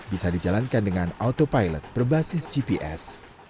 bus air juga dijalankan dengan autopilot berbasis gps